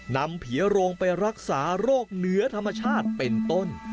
นำผีโรงไปรักษาโรคเหนือธรรมชาติเป็นต้น